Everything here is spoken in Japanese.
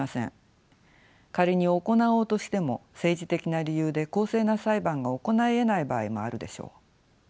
仮に行おうとしても政治的な理由で公正な裁判が行いえない場合もあるでしょう。